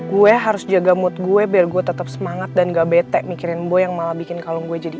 gue harus jaga mood gue biar gue tetap semangat dan gak bete mikirin gue yang malah bikin kalung gue jadi